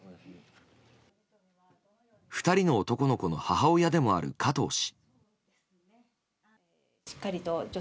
２人の男の子の母親でもある加藤氏。